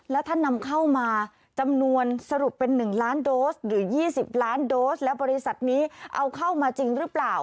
แล้วท่านนำเข้ามาจำนวนสรุปเป็น๑ล้านโดสหรือ๒๐ล้านโดสและบริษัทนี้เอาเข้ามาจริงหรือเปล่า